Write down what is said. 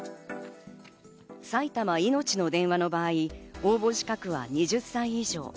埼玉いのちの電話の場合、応募資格は２０歳以上。